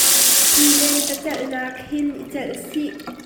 Hi lentecalhnak hin i calh sih.